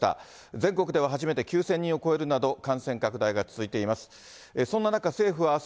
全国では初めて９０００人を超えるなど、感染拡大が続いています。